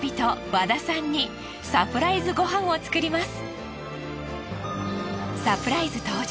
和田さんにサプライズご飯を作ります。